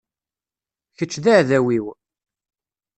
Kečč d aεdaw-iw.